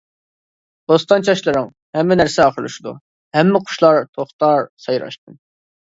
بوستان چاچلىرىڭ ھەممە نەرسە ئاخىرلىشىدۇ، ھەممە قۇشلار توختار سايراشتىن.